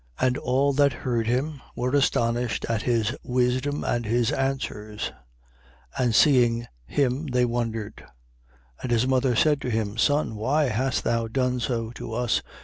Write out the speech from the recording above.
2:47. And all that heard him were astonished at his wisdom and his answers. 2:48. And seeing him, they wondered. And his mother said to him: Son, why hast thou done so to us?